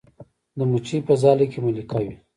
د مچۍ په ځاله کې ملکه وي